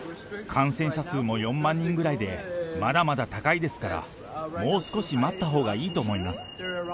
感染者数も４万人ぐらいでまだまだ高いですから、もう少し待ったほうがいいと思います。